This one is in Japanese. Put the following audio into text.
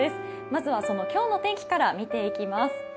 まずは、今日の天気から見ていきます。